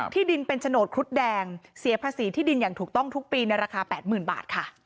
ดินเป็นโฉนดครุฑแดงเสียภาษีที่ดินอย่างถูกต้องทุกปีในราคา๘๐๐๐บาทค่ะ